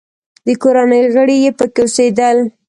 د کورنۍ غړي یې پکې اوسېدل.